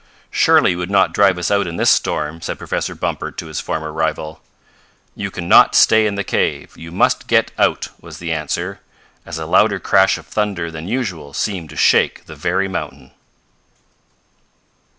"Surely you would not drive us out in this storm," said Professor Bumper to his former rival. "You can not stay in the cave! You must get out!" was the answer, as a louder crash of thunder than usual seemed to shake the very mountain.